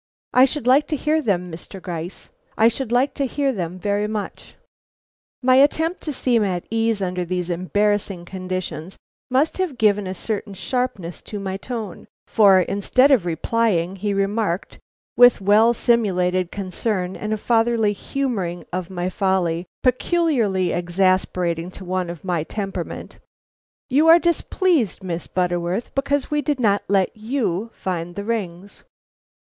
I should like to hear them, Mr. Gryce. I should like to hear them very much." My attempt to seem at ease under these embarrassing conditions must have given a certain sharpness to my tone; for, instead of replying, he remarked, with well simulated concern and a fatherly humoring of my folly peculiarly exasperating to one of my temperament: "You are displeased, Miss Butterworth, because we did not let you find the rings."